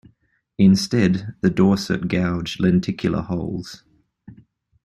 Instead, the Dorset gouged lenticular holes.